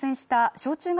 小・中学